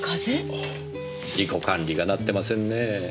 自己管理がなってませんねぇ。